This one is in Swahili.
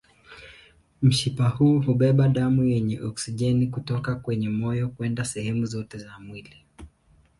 Mshipa huu hubeba damu yenye oksijeni kutoka kwenye moyo kwenda sehemu zote za mwili.